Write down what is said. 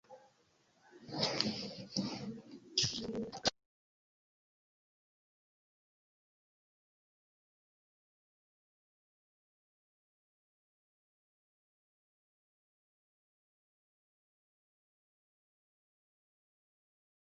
Via kuzino verŝajne estas terure serioza persono!